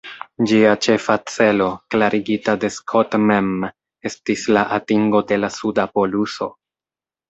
Ĝia ĉefa celo, klarigita de Scott mem, estis la atingo de la suda poluso.